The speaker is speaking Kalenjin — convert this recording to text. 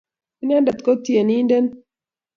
Inenendet ko tienidet